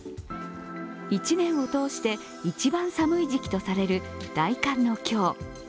一年を通して一番寒い時期とされる大寒の今日。